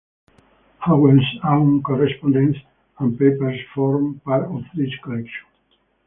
Howell's own correspondence and papers form part of this collection.